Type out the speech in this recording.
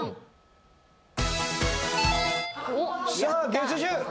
月１０！